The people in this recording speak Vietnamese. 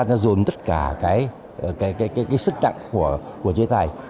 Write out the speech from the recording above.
ta rồn tất cả cái sức đặng của chế tài